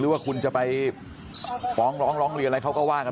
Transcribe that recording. หรือว่าคุณจะไปร้องเรียนอะไรเขาก็ว่ากัน